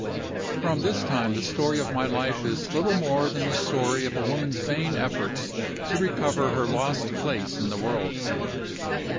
"From this time the story of my life is little more than the story of a woman's vain efforts to recover her lost place in the world.